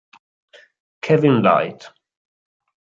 Kevin Light